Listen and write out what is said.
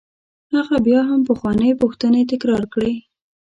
هغه بیا هم پخوانۍ پوښتنې تکرار کړې.